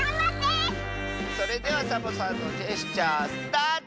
それではサボさんのジェスチャースタート！